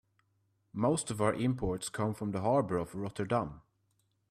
Most of our imports come from the harbor of Rotterdam.